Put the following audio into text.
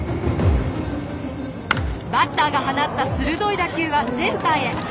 バッターが放った鋭い打球はセンターへ。